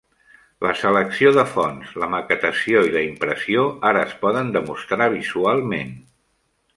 La selecció de fonts, la maquetació i la impressió ara es poden demostrar visualment.